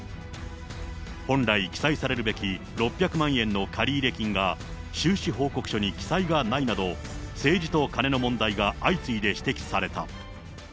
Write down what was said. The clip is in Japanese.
本来、記載されるべき６００万円の借入金が、収支報告書に記載がないなど、政治とカネの問題が相次いで指摘された。